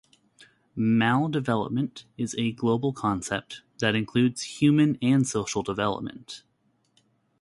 Maldevelopment is a global concept that includes human and social development.